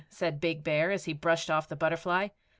said big Bear, as he brushed off the butterfly.